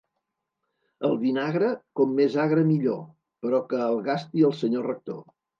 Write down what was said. El vinagre, com més agre millor, però que el gasti el senyor rector.